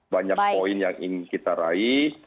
banyak poin yang ingin kita raih